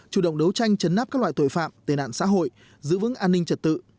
chủ động đấu tranh chấn áp các loại tội phạm tên nạn xã hội giữ vững an ninh trật tự